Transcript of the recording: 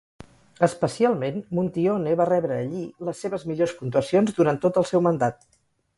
Especialment, Montione va rebre allí les seves millors puntuacions durant tot el seu mandat.